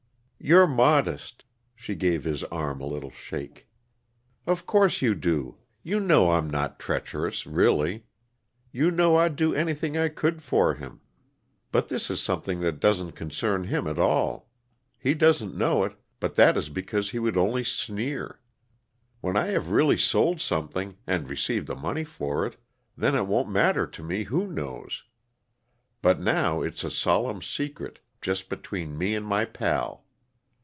"You're modest!" She gave his arm a little shake. "Of course you do. You know I'm not treacherous, really. You know I'd do anything I could for him. But this is something that doesn't concern him at all. He doesn't know it, but that is because he would only sneer. When I have really sold something, and received the money for it, then it won't matter to me who knows. But now it's a solemn secret, just between me and my pal."